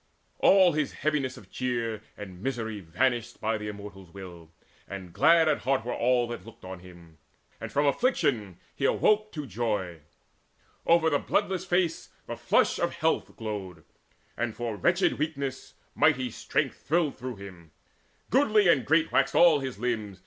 All his heaviness of cheer And misery vanished by the Immortals' will; And glad at heart were all that looked on him; And from affliction he awoke to joy. Over the bloodless face the flush of health Glowed, and for wretched weakness mighty strength Thrilled through him: goodly and great waxed all his limbs.